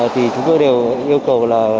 thì chúng tôi đều yêu cầu là